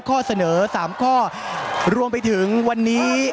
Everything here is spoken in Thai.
ข้อเสนอ๓ข้อรวมไปถึงวันนี้